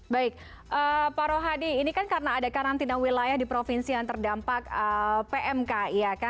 baik pak rohadi ini kan karena ada karantina wilayah di provinsi yang terdampak pmki